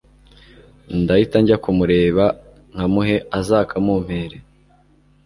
ndahita njya kumureba nkamuhe azakamumpere